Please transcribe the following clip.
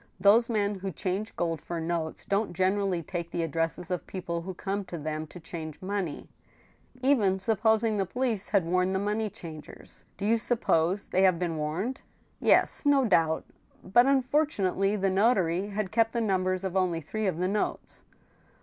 ... Those men who change gold for notes don't generally take the addresses of people who come to them to change money, ... even supposing the police had warned the money changers." " Do you suppose they have been warned ?"" Yes — no doubt. But, unfortunately, the notary had kept the 'numbers of only three of the notes."